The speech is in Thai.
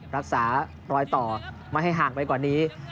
รักษารอยต่อไม่ให้ห่างไปกว่านี้